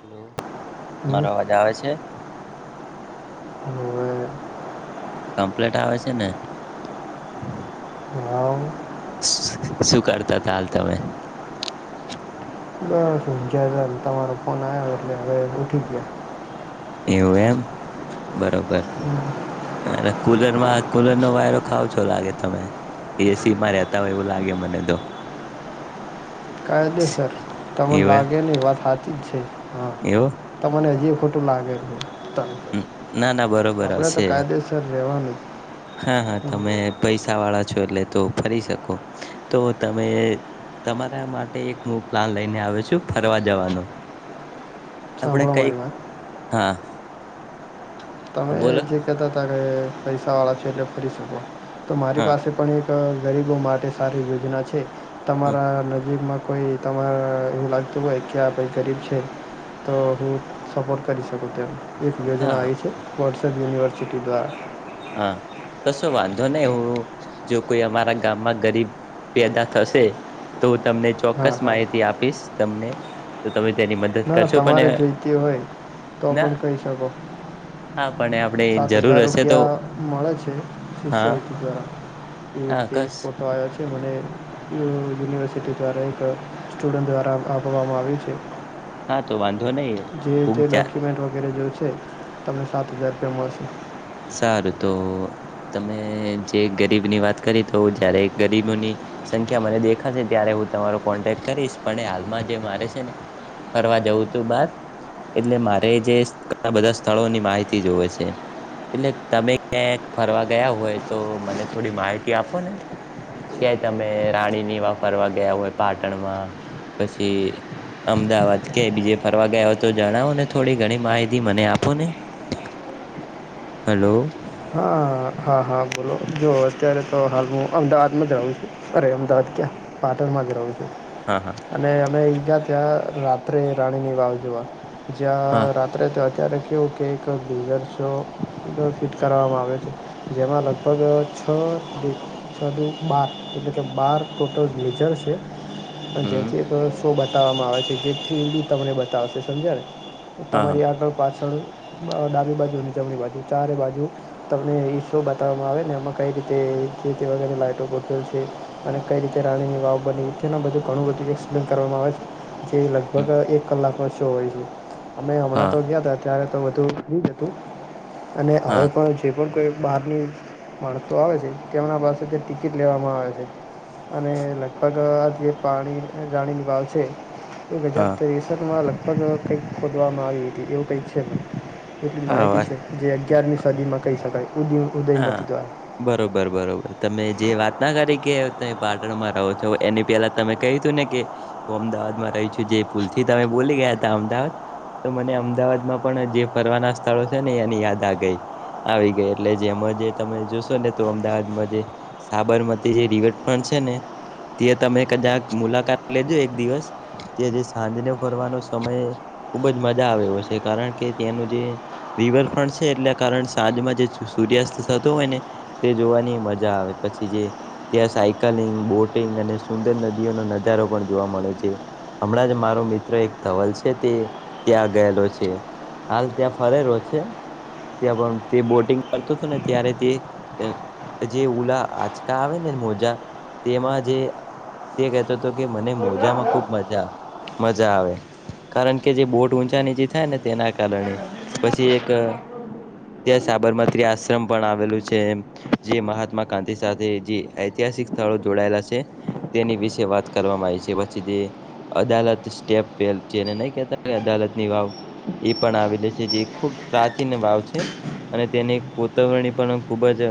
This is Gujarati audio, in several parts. હલો હમ. મારો અવાજ આવે છે. [unintelligible] કમ્પ્લીટ આવે છે ને. હમ્મ. શું કરતા હતા હાલ તમે. બસ હ જ તમારો ફોન આવ્યો એટલે હવે ઉઠી ગયા. એવું એમ બરોબર હમ. અરે કુલરમાં. કુલર નો વાયરો ખાવ છો લાગે તમે એસી માં રહેતા હોય એવું લાગે મને તો કાય દે સર તમને એવું લાગે ની વાત સાાચ જ છે હા એવું તને હજી. ખોટું લાગે ના ના બરોબર આપડે તો હશે કાયદેસર રેવાનું. હા હા તમે પૈસા વાળા છો એટલે તો ફરી શકો તો તમે. તમારા માટે એક હું પ્લાન લઈને આવ્યો છું ફરવા જવાનો. આપણે સાંભળો કઈક મારી વાત હા. તમે બોલો જે કતા હતા કે પૈસા વાળા છે એટલે ફરી શકો તો મારી હા પાસે પણ એક ગરીબો માટે સારી યોજના છે હા તમારા નજીકમાં. કોઈ તમારે એવું લાગતું હોય કે આઈ ગરીબ છે. તો હું સપોટ કરી શકું તેમ એક યોજના ના આવી છે વોટ્સએપ યુનિવર્સિટી દ્વારા. હા કશો વાંધો નહી હું જો કોઈ અમારા ગામમાં ગરીબ. પેદા થશે તો હું તમને હા ચોક્કસ હા માહિતી આપીશ તમને. તો તમે તેની મદદ ના ના કરશો તમારે પણ જોઈતી હોય તો ના પણ કહી શકો હા પણ આપણે સાત જરૂર હજાર હશે તો. રૂપિયા મળે છે હા શિક્ષાવૃતિ દ્વારા હા એતે કસ ફોટો આવ્યા છે મને યુનિવર્સિટી દ્વારા એક સ્ટુડન્ટ દ્વારા આપવામાં આવ્યું છે. હા તો વાંધ. જે તે ડોક્યુમેન્ટ વગેરે જો છે તમને સાત હજાર રૂપિયા મળશે. સારું તો. તમે જે ગરીબની વાત કરી તો જયારે ગરીબોની સંખ્યા મને દેખાશે ત્યારે. હું તમારો કોન્ટેક કરીશ પણ હાલમાં જે મારે છે ને ફરવા જવું તું બાર. એટલે મારે જે ઘણા બધા સ્થળોની માહિતી જોવે છે. એટલે તમે ક્યાંક ફરવા ગયા હોય તો મને થોડી માહિતી આપો ને. ક્યાય તમે રાણીની વા ફરવા ગયા હોય પાટણમાં પછી. અમદાવાદ કે બીજે ફરવા ગયા હોય તો જણાવો ને થોડી ઘણી માહિતી મને આપો ને. હલો. હ હા હા બોલો જોુ અત્યારે તો હાલ હું અમદાવાદમાં જ રહું છું અરે અમદાવાદ ક્યાં. માં જ રહ છું હા હા અને અમે ઈજા ત્યાં રાત્રે રાણીની વાવ જોવા. હા જ્યા રાત્રે. ત્યારે કેવું કે એક [unintelligible] છો ફિટ કરવામાં આવે છે. જેમાં લગભગ છ સાધુ બાર એટલે કે બાર ટોટલ ગ્લેજર છે. હમ જેથી એક શો બતાવવામાં આવે છે જેથીડી તમને બતાવશે સમજાય ને. હા તમારી આગળ પાછળ ડાબી બાજુ અને જમણી બાજુ ચારે બાજુ તમને બતાવવામાં આવે ને એમાં કઈ રીતે જે [unintelligible] છે. અને કઈ રીતે રાણીની વાવ નીચેના બધું ઘણું બધું એક્સપ્લેન કરવામાં આવે જે લગભગ હા એક કલાકમાં શો અમે અમણાં હા તો ગયા હતા અત્યારે તો બધું એજ હતું. અને અવે હા પણ જે પણ બારની [unintelligible] આવે છે તેમના પાસેથી ટિકિટ લેવામાં આવે છે. અને લગભગ આ જે પાણી રાણીની વાવ છે તો હા ગજાત લગભગ કંઈક ખોદવામાં આવી હતી એવું કંઈક છે એટલી હા માહિતી વાત છે જે અગિયારમી સદીમાં કહી શકાય. ઉદી હા ઉદયમતી બરોબર બરોબર તમે જે વાત ના કરી કે ત પાટણમાં રહો છો એની પેલા તમે કહ્યું તું ને કે હું અમદાવાદમાં રહું જે પુલ થી તમે બોલી ગયા હતા અમદાવાદ તો મને અમદાવાદમાં પણ જે ફરવાના સ્થળો છે ને એની યાદ આ ગઈ આવી ગઈ એટલે જેમાં જે તમે જોશો ને તો અમદાવાદમાં જે સાબરમતી જે રિવટફ્રન્ટ છે ને ત્યા તમે કજાક મુલાકાત લેજો એક દિવસ તે જે સાંજને ફરવાનો સમય ખુબ જ મજા [unintelligible] છે. કારણ કે ત્યાંનું જે દિવરફ્રન્ટ છે એટલે કારણે સાંજમાં જે સૂર્યાસ્ત થતો હોય ને અને સુંદર નદીઓનો નજારો પણ જોવા મળે છે. અમણાં જ મારો મિત્ર એક ધવલ છે તે ત્યાં ગયેલો છે. હાલ ત્યાં ફરે રો છે ત્યાં પણ તે બોટિંગ કરતો હતો ને ત્યારે તે તેમાં જે તે કહેતો હતો કે મને મોજામાં દ્વારા ખુબ મજા મજા આવે. કારણ કે જે બોટ ઊંચા નીચી થાય ને તેના કારણે પછી એક ત્યાં સાબરમતી આશ્રમ પણ આવેલું તે માહાત્મા ગાધી લૂ ઇતિહાસી છે તેની વિશે વાત કરવામાં આવી છે. અદાલતની વાવ એ પણ આવેલી છે જે ખૂબ પ્રાચીન વાવ છે. અને તેને કોતવરણી પણ ખુબ જ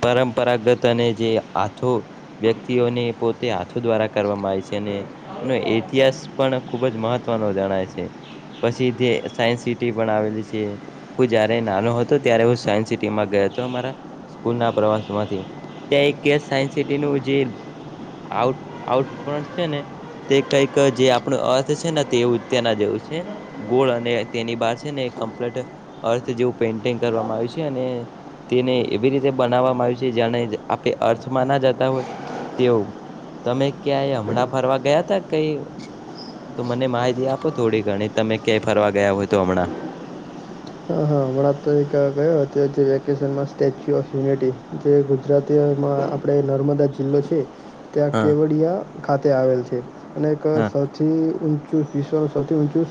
પરંપરાગત અને જે વ્યક્તિઓને પોતે દ્વારા કરવામાં આવે છે. એનો પન પણ ખુબ જ મહત્વનો જણાય છે. પછી તે સાયન્સ સિટી પણ આવેલી છે. હું જયારે નાનો હતો ત્યારે હું સાય સ્કૂલ ના પ્રવાસ માંથી ત્યાં એક સાયન્સ સિટીનુ જે આઉટ આઉટ છે ને તે કઈક જે આપણો અર્થ છે ને તેવું જ તેના જેવું છે. ગોળ અને તેની બહાર છે ને અર્થ જેવું પેન્ટિંગ કરવામાં આવ્યું છે. અને તેને એવી રીતે બનાવવામાં આવ્યું છે જેને આપે અર્થમાં ના જતા હોય તેવું તમે ક્યાંય અમણાં ફરવા ગયા હતા કઈ. તો મને માહિતી આપો થોડી ઘણી તમે ક્યાંય ફરવા ગયા હોય તો અમણાં. હ હા. અમણાં જે વેકેશનમાં સ્ટેચ્યુ ઓફ યુનિટી જે ગુજરાતીમાં આપણે નર્મદા જિલ્લો છે ત્યાં હા કેવડિયા ખાતે આવેલ છે. અને એક હા સૌથી વિશ્વનું સૌથી ઊંચું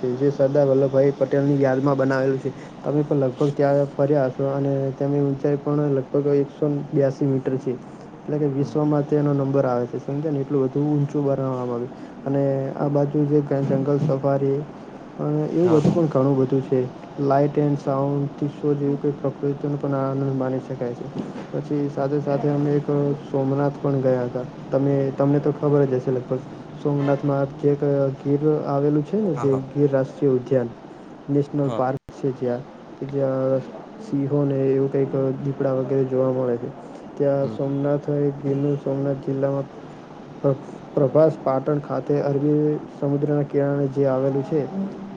છે જે સરદાર વલ્લભભાઈ પટેલ ની યાદમાં બનાવેલું છે. તમે પણ લગભગ ત્યાં ફર્યા હશો અને તમની ઊંચાઈ પણ લગભગ એકસોને બ્યાસી મીટર છે. એટલે કે હમ વિશ્વમાં તેનો નંબર છે એટલું બધું ઊંચું બનાવવામાં આવે અને આ બાજુ જે જંગલ સફારી અને હા પણ ઘણું બધું છે. લાઈટ [unintelligible] અમે એક સોમનાથ પણ ગયા હતા. તમે તમને તો ખબર જ હશે લગભગ સોમનાથમાં એક ગીર આવેલું હા હા છે રાષ્ટ્રીય ઉદ્યાન હા છે જ્યાં જ્યાં સિંહોને એવું કઈક દીપડા વગેરે જોવા મળે છે ત્યાં હમ સોમનાથ હો ગીર‌ જંગલ માં સોમનાથ જિલ્લામાં પ્રભાસ પાટણ ખાતે અરબી સમુદ્રના કિરાણે જે આવેલું છે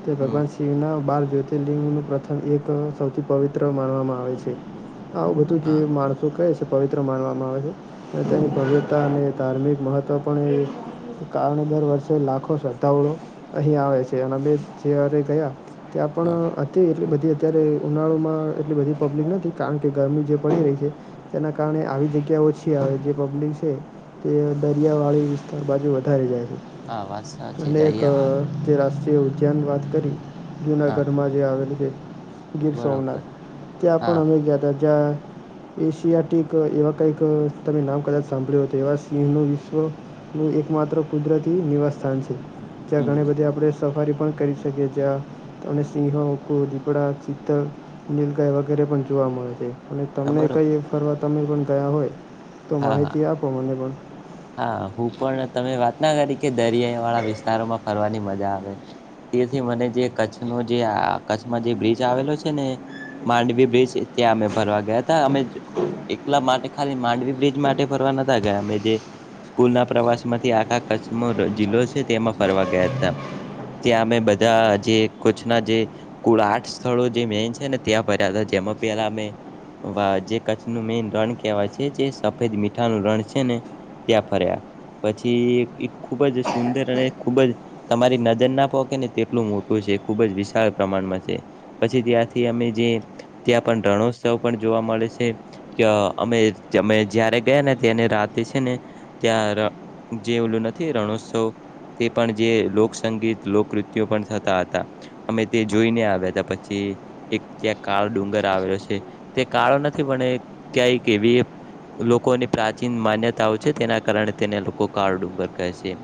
તે હમ ભગવાન શિવના બાર જ્યોતિલ પ્રથમ એક સૌથી પવિત્ર માનવામાં આવે છે આ બધું જે હા માણસો કહે છે પવિત્ર માનવામાં આવે છે અને તેની ત હા ભવ્યતા અને ધાર્મિક મહત્ત્વ પણ એ કારણે દર વર્ષે લાખો શ્રદ્ધાળળઓ અહી આવે છે અને બે જરે ગયા ત્યાં હા પણ તિ એટલી બધી અત્યારે ઉનાળોમાં એટલી બધી પબ્લિક નથી કારણ કે ગરમી જે પડી રહી છે તેના કારણે કારણે આવી જગ્યા ઓછી આવે જે પબ્લિક છે તે દરિયાવાળી વિસ્તાર બાજુ વધારે જાય હા વાત સાચી અનેક દરિયાવાળ જે રાષ્ટ્રીય ઉદ્યાન વાત કરી હા જુનાગઢમાં જે ગીર બરોબર સોમનાથ ત્યાં પણ હા અમે ગયા હતા જ્યાં એશિયાટિક એવા કંઈક તમે નામ કદાચ સાંભળ્યું એવા સિંહનું વિશ્વ એકમાત્ર કુદરતી નિવાસસ્થાન છે ત્યાં હમ ઘણી બધી આપણે સફારી પણ કરી શકીએી સિંહો ઉખું દીપડા ચિતતલ નીલગાય વગેરે પણ જોવા મળે છે અને હા તમને બરોબર કઈ ફરવા તમે પણ ગયા હોય તો હા હા માહિતી આપો મને પણ હા હું પણ તમે વાત ના કરી કે દરિયા વાળા વિસ્તારોમાં ફરવાની મજા આવે તેથી મને જે કચ્છનો જે કચ્છમાં જે બ્રિજ આવેલો છે ને માંડવી બ્રિજ ત્યાં અમે ભરવા ગયા હતા અમે એકલા માટે ખાલી માંડવી બ્રિજ માટે ફરવા નતા ગયા અમે જે સ્કૂલ ના પ્રવાસ માંથી આખા કચ્છનો જિલ્લો છે તેમાં ફરવા ગયા હતા ત્યાં અમે બધા જે કચ્છના જે કુળ આઠ સ્થળો જે મેન છે ને ત્યાં ફર્યા હતા જ જ પ્યાલા મે વા જે કચ્છનું મેન રણ કહેવાય છે જે સફેદ મીઠાનું રણ છે ને ત્યાં ફર્યા પછી ખુબ જ સુંદર અને ખુબ જ તમારી નજર ના પ કે ને તેટલું મોટું છે ખબ જ વિશળ પ્રમાણમાં છે પછી ત્યાંથી અમે જે ત્યાં પણ રણોત્સવ પણ જોવા મળે છે કે અમે અમે જ્યારે ગયા ને તને રાતે છે ને ત્યાં જે ઓલું નથી રણોત્સવ તે પણ જે લોકસંગીત લોકનૃત્યો પણ થતા હતા અમે તે જોઈને આવ્યા હતા પછી એક ક્યાં કાળો ડુંગર આવેલો છે તે કાળો નથી પણને ક્યાય એવી લોકોની પ્રાચીન માન્યતાઓ તેના કારણે તેને લોકો કાળ ડુંગર કહે છે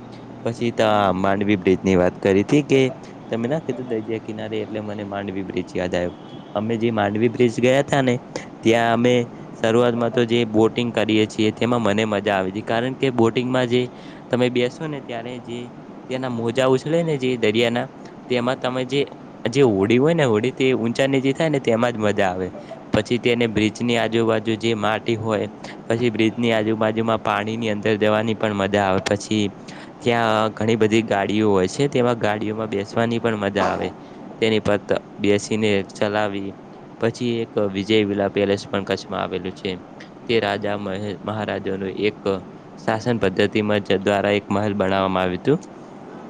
પછી ત માંડવી બ્રિજ ની વાત કરી હતી કે તમે ના કીધું દરિયા કિનારે એટલે મને માંડવી બ્રિચ યાદ આવ અમે જે માંડવી બ્રિજ ગયા તા ને ત્યાં અમે શરૂઆતમાં તો જે બોટિંગ કરીએ છીએ તેમાં મને મજા આવે છે કારણ કે બોટિંગમાં જે તમે બેસો ને ત્યારે જે તેના મોજા ઉછળે ને જે દરિયાના તેમાં તમે જે જે હોડી હોય ને હોડી તે ચા નીચ થાય ને તેમાંજ મજા આવે પછી તેને બ્રિજ ની આજુબાજુ જે માટી હોય પછી બ્રિજની આજુબાજુમાં પાણીની અંદર જવાની પણ મજા આવે પછી ત્યાં ઘણી બધી ગાડીઓ હોય છે તેમાં ગાડીઓમાં બેસવાની પણ મજા આવે તેની પર બેસીને ચલાવી પછી એક વિજય વિલા પેલેસ પણ કચ્છમાં આવેલું છે તે રાજા મહારાજાનું એક શાસન પદ્ધતિમાં દ્વારા એક મહેલ બનાવવામાં આવ્યું હતું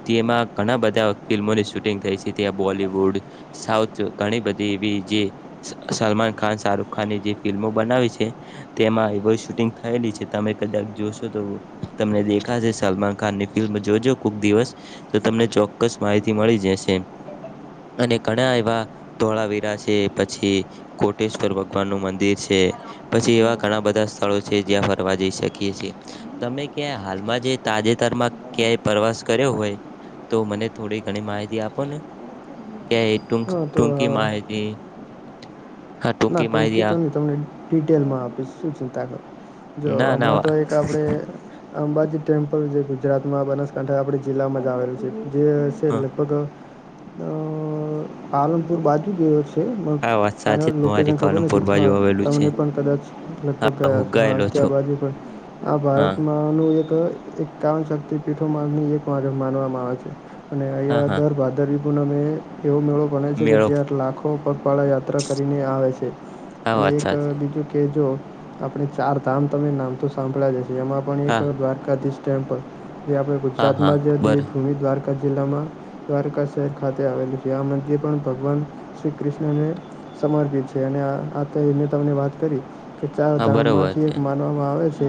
તેમાં ઘણા બધા ફિલ્મોની શૂટિંગ થઈ છે ત્યાં બોલીવુડ સાઉથ ઘણી બધી સલમાન ખાન શાહરુખ ખાનની જે ફિલ્મો બનાવે છે તેમાં એ શૂટિંગ થયેલી છે તમે ક જોશો તો તમને દેખાશે સલમાન ખાન ની ફિલ્મ જોજો કોક દિવસ તો તમને ચોક્કસ માહિતી મળી જશે અને ઘણા્યા એવા ધોળાવીરા છે પછી કોટેશ્વર ભગવાન નું મંદિર છે પછી એવા ઘણા બધા સ્થળો છે જ્યાં ફરવા જઈ શકે તમે ક્યા હાલમાં જે તાજેતરમાં ક્યાંય પ્રવાસ કર્યો હોય તો મને થોડી ઘણી માહિતી આપો ને ક્યા એ હા તો તુમકી મા હતી ના ટુંકીતો નહી તમને ડિટેલમાં આપીશ શું ચિંતા કર જો ના ના હમણાં તો વા એક આપડે અંબાજી ટેમ્પલ જે ગુજરાતમાં બનાસકાંઠા આપણી જિલ્લામાં જ આવેલું છે જે છે હા લગભગ અ અ પાલનપુર બાજુ ગયો છે હા વાત સાચી ફાયનલ લોક તમારી ખબર પાલનપુર નથી હા બાજુ આવેલું છે તમને પણ કદાચ લગભગ હા ગયા હું હશો હા ગયેલો ત્યા છું બાજુ પણ આ ભારત હા માંનું એક એકાવન શક્તિ પીઠોમાં એક માર માનવામાં આવે છે અને હા અહીંયા હા દર ભાદર પૂનમે એવો મેળો ગને છે કે મેળો જ્યાં લાખો ઉપપાળા યાત્રા કરીને આવે છે હા અને વાત એક સાચી બીજું કે જો આપણે ચાર ધામ તમે નામ તો સાંભળ્યા જશે જેમાં પણ એક હા દ્વારકાધીશ ટેમ્પલ જે આપણે હા હા ગુજરાતમાં જ બર દભૂમિ દ્વારકા દ્વારકા જિલ્લામાં દ્વારકા શહેર ખાતે આવેલું છે આ મંદિર પણ ભગવાન શ્રી કૃષ્ણને સમર્પિત આ નેતાને વાત કરી કે ચાર હા ધર્મ બરોબર માંથી છે એક માનવામાં આવે છે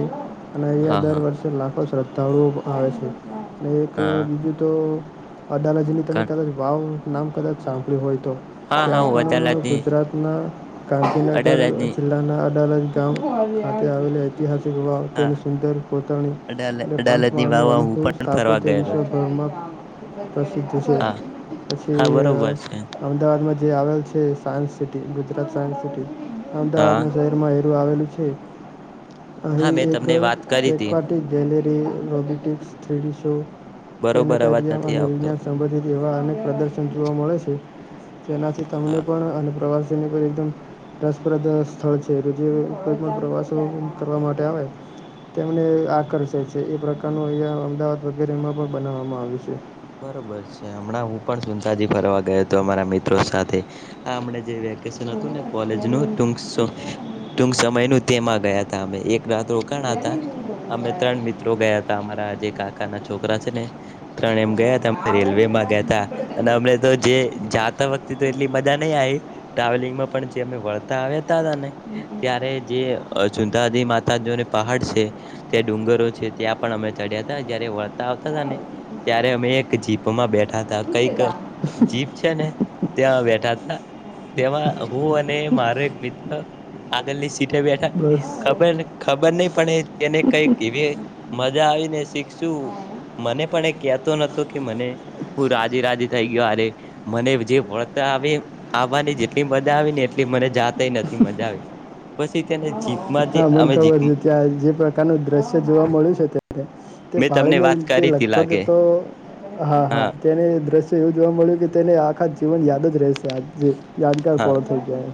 અને અહંયા હા દર હા વર્ષે લાખો શ્રદ્ધાળુઓ આવે છે અને એક હા બીજું તો આ દાદાજી ની તમે કણ કદાચ વાવ નામ કદાચ સાંકળ્યું હોય તો હા હા ત્યાં હું પણ અદાલતની ગુજરાતના ગાંધીનગર અડાલજની જિલ્લાના ડાજ ગામ ખાતે આવેલા ઐતિહાસિક હા તેની સુંદર પોતાની અડાલ એ અડાલજની પાંચમાળ ન વાવમાં હું અનુકૂવ પણ ફરવા સ્થાપત્ય ગયેલો છું વિશ્વભ્રમાં પ્રસિદ્ધ છે હા પછી હા બરોબર છે અમદાવાદમાં જે આવેલ છે science city Gujarat science city હા અમદાવાદના શહેરમાં [unintelligible] આવેલું છે. હા અહી મેં એક તમને વાત કરી હતી aquatic gallery robotics three D show બરોબર અવાજ પ્નેટરિયામ નથી અને આવતો વિજ્ઞાન સંબંધિત જેવા અનેક પ્રદર્શન જોવા મળે છે, જેનાથી તમને હા પણ અને પ્રવાસ એમને પણ એકદમ. રસપ્રદ સ્થળ છે જે કોઈ પણ પ્રવાસો કરવા માટે આવે તેમને આકર્ષે છે એ પ્રકારનું અહિયાં અમદાવાદ વગેરેમાં પણ બનાવવામાં આવ્યું છે. બરોબર છે હમણાં હું પણ સુનઢાજી ફરવા ગયો હતો અમારા મિત્રો સાથે આ હમણા જે વેક કેશન હતું ને કોલેજ નું ટૂંક સુ ટૂક સમયનું તેમાં ગયા હતા અમે એ રાત્ર રોકાણ હતા અમે ત્રણ મિત્રો ગયા હતા અમારા જે કાકા ના છોકરા છે ને ત્રણ એમ ગયા તા અમે રેલવે માં ગ્યા તા અને અમે તો જે જાતા વખતે તો એટલી મજા નઈ આઈ ટ્રાવેલિંગમાં પણ જે અમે વળતા આવ્યા તા તા ને ત્યારે જે સુધાજી માતાને પહાડ છે ત્યાં ડુંગરો છે ત્યાં પણ અમે ચડ્યા તા ત્યારે વળતા આવતા ને ત્યા રે અમે એક જીપમાં બેઠા તા કઈક જીપ છે ને. ત્યાં બેઠા તા તેમાં હું અને મારો એક મિત્ર આગળની સી ટે બેઠા બસ ખબર ને ખબર નહી પણ એને કઈ કે એવી મજા આવીને શીખશું મને પણ એક યાદ મને હું રાજી રાજી થઈ ગ્યો અરે મને જે વળતા આવે આવવા જેટલી મજા આવી ને એટલી મને જાતે એ નથી મજા આવી પછી તેને જીપ જીપમાં જે હા મને અમે ખબર છે ત્યાં જે પ્રકારનું દ્રશ્ય જોવા મળ્યું છે [unintelligible] તે મેં તમને ભાળીને વાત રિતે કરી હતી લગભગ લાગે તો હા હા તેને દ્રશ્ય એવું જોવા મળ્યું કે તેને આખા જીવન યાદ જ રહેશે આજે યાદગાર હા પળો થઈ જાય.